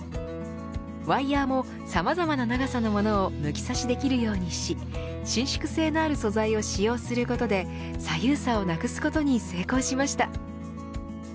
ワイヤーもさまざまな長さのものを抜き差しできるようにし伸縮性のある素材を使用することで左右差をなくすことに成功しました。